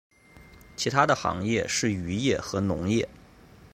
其它的行业是渔业和农业。